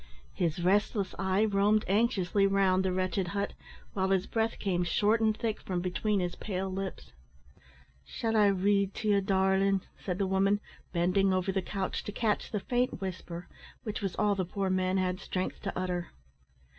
His restless eye roamed anxiously round the wretched hut, while his breath came short and thick from between his pale lips. "Shall I read to ye, darlin'?" said the woman, bending over the couch to catch the faint whisper, which was all the poor man had strength to utter.